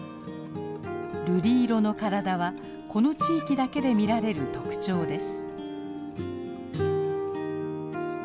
瑠璃色の体はこの地域だけで見られる特徴です。